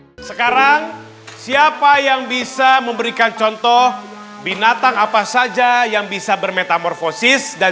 hai sekarang siapa yang bisa memberikan contoh binatang apa saja yang bisa bermetamorfosis dan